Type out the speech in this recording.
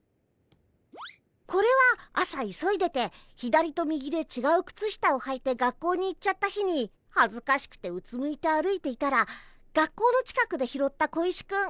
これは朝急いでて左と右でちがう靴下をはいて学校に行っちゃった日にはずかしくてうつむいて歩いていたら学校の近くで拾った小石くん。